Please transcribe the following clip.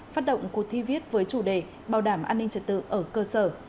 phát động cuộc thi viết với chủ đề bảo đảm an ninh trật tự ở cơ sở